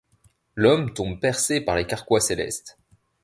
L’homme tombe percé par les carquois célestes.